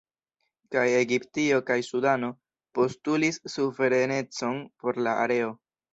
Kaj Egiptio kaj Sudano postulis suverenecon por la areo.